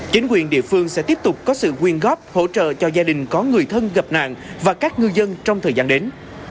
chính quyền địa phương sẽ tiếp tục có sự quyên góp hỗ trợ cho gia đình có người thân gặp nạn và các ngư dân trong thời gian đến